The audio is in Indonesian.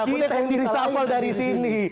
kita yang di reshuffle dari sini